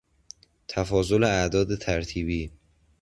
تفاضل اعداد ترتیبی